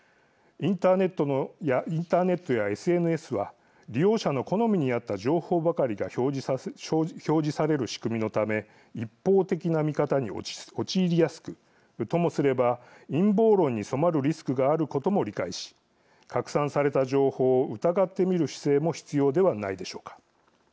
インターネットやＳＮＳは利用者の好みにあった情報ばかりが表示される仕組みのため一方的な見方に陥りやすくともすれば陰謀論に染まるリスクがあることも理解し拡散された情報を疑ってみる姿勢も必要ではないでしょうか。